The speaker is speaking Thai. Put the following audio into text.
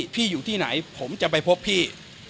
อยู่ที่ไหนผมจะไปพบพี่